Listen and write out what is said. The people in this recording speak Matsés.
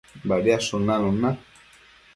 Badiadshun nanun na